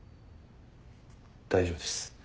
大丈夫です。